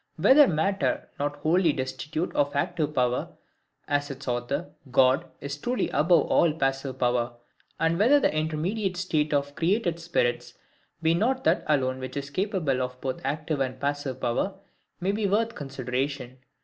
Whether matter be not wholly destitute of active power, as its author, God, is truly above all passive power; and whether the intermediate state of created spirits be not that alone which is capable of both active and passive power, may be worth consideration.